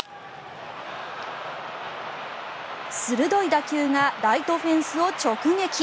鋭い打球がライトフェンスを直撃。